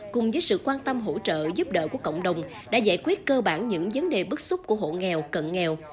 cùng với sự quan tâm hỗ trợ giúp đỡ của cộng đồng đã giải quyết cơ bản những vấn đề bức xúc của hộ nghèo cận nghèo